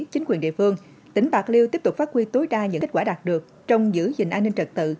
chính quyền địa phương tỉnh bạc liêu tiếp tục phát huy tối đa những kết quả đạt được trong giữ gìn an ninh trật tự